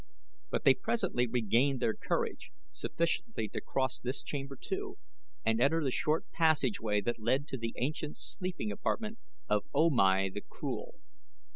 But they presently regained their courage sufficiently to cross this chamber too and enter the short passageway that led to the ancient sleeping apartment of O Mai the Cruel.